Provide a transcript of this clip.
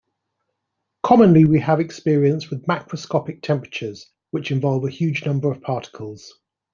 Commonly we have experience with macroscopic temperatures, which involve a huge number of particles.